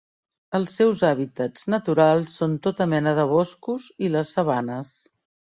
Els seus hàbitats naturals són tota mena de boscos i les sabanes.